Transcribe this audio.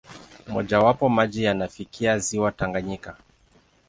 Mmojawapo, maji yanafikia ziwa Tanganyika.